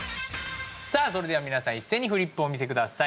さあそれでは皆さん一斉にフリップをお見せください